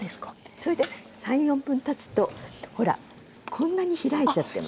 それで３４分たつとほらこんなに開いちゃってます。